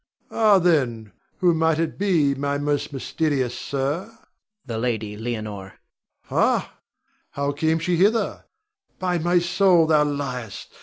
Rod. Ah, then, who might it be, my most mysterious sir? Adrian. The Lady Leonore. Rod. Ha! how came she hither? By my soul, thou liest!